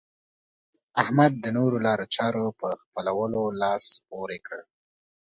احمد د نورو لارو چارو په خپلولو لاس پورې کړ.